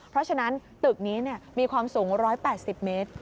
เพราะฉะนั้นตึกนี้มีความสูง๑๘๐เมตร